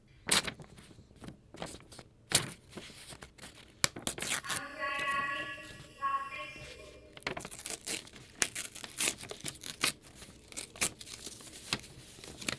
Aŋutaiyaamik ivaqłiqsugut.